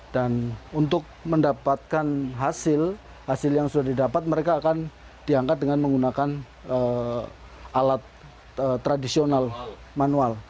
dan untuk mendapatkan hasil hasil yang sudah didapat mereka akan diangkat dengan menggunakan alat tradisional manual